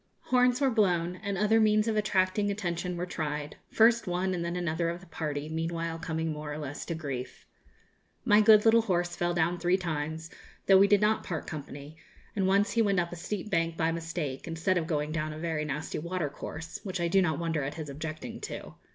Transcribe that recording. Horns were blown, and other means of attracting attention were tried; first one and then another of the party meanwhile coming more or less to grief. My good little horse fell down three times, though we did not part company, and once he went up a steep bank by mistake, instead of going down a very nasty watercourse, which I do not wonder at his objecting to.